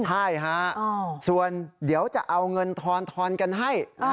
ใช่ฮะส่วนเดี๋ยวจะเอาเงินทอนกันให้